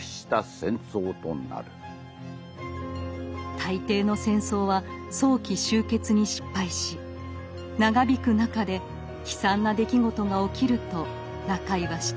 大抵の戦争は早期終結に失敗し長引く中で悲惨な出来事が起きると中井は指摘。